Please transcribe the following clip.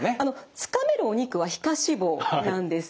つかめるお肉は皮下脂肪なんですけれども。